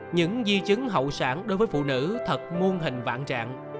những di chứng hậu sản đối với phụ nữ thật muôn hình vạn trạng